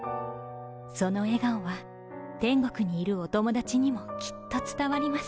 その笑顔は天国にいるお友達にもきっと伝わります。